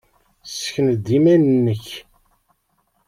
Ssken-d iman-nnek.